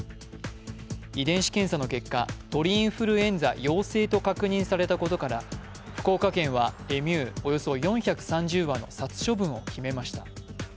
遺伝子検査の結果、鳥インフルエンザ陽性と確認されたことから、福岡県はエミューおよそ４３０羽の殺処分を決めました。